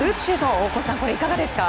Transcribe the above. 大越さん、これ、いかがですか？